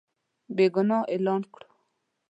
بېګناه اعلان کړو.